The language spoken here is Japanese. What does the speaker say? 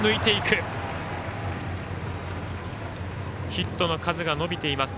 ヒットの数が伸びています。